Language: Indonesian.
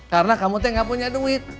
karena kamu teh enggak punya duit